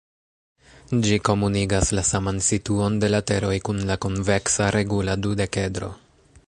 Ĝi komunigas la saman situon de lateroj kun la konveksa regula dudekedro.